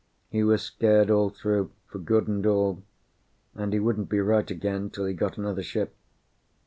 He was scared all through, for good and all; and he wouldn't be right again till he got another ship.